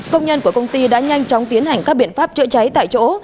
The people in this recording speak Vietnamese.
công nhân của công ty đã nhanh chóng tiến hành các biện pháp chữa cháy tại chỗ